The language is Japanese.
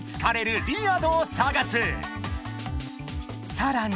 ［さらに］